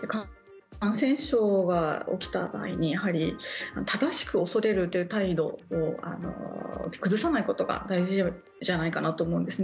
感染症が起きた場合にやはり正しく恐れるという態度を崩さないことが大事じゃないかなと思うんです。